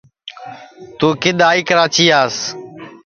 توں کِدؔ آئی کراچیاس